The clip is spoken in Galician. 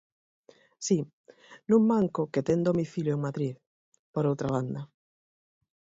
Si, nun banco que ten domicilio en Madrid, por outra banda.